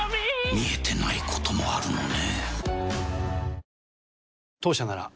見えてないこともあるのね。